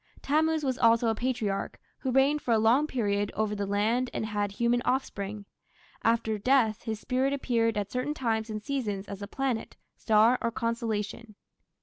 Tammuz was also a Patriarch, who reigned for a long period over the land and had human offspring. After death his spirit appeared at certain times and seasons as a planet, star, or constellation.